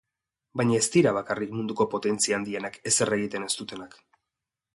Baina ez dira bakarrik munduko potentzia handienak ezer egiten ez dutenak.